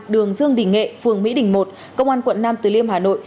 đường dương đình nghệ phường mỹ đình một công an quận nam từ liêm hà nội